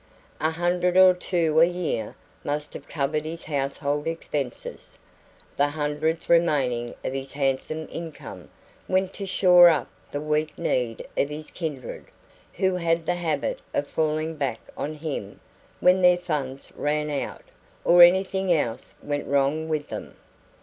A hundred or two a year must have covered his household expenses; the hundreds remaining of his handsome income went to shore up the weak kneed of his kindred, who had the habit of falling back on him when their funds ran out, or anything else went wrong with them.